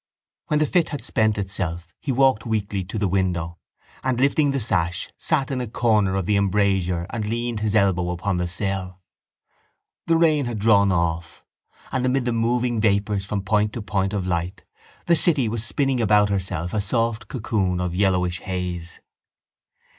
When the fit had spent itself he walked weakly to the window and, lifting the sash, sat in a corner of the embrasure and leaned his elbow upon the sill. The rain had drawn off; and amid the moving vapours from point to point of light the city was spinning about herself a soft cocoon of yellowish haze.